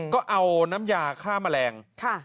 ก็เอาน้ำยาฆ่าแมลง